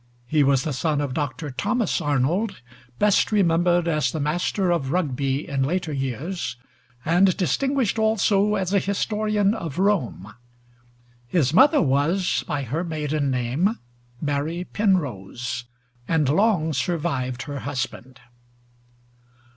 He was the son of Dr. Thomas Arnold, best remembered as the master of Rugby in later years, and distinguished also as a historian of Rome. His mother was, by her maiden name, Mary Penrose, and long survived her husband.